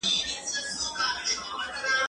ايا ته لوښي وچوې،